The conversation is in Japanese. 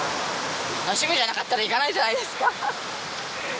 楽しみじゃなかったら行かないじゃないですか